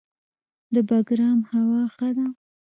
د بګرام هوا ښه ده